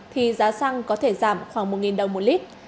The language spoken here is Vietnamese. thì giá xăng có thể giảm khoảng một đồng một lít